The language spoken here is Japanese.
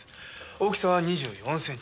大きさは２４センチ。